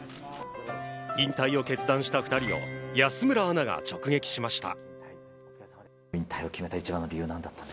引退を決断した２人を安村アナが直撃しました。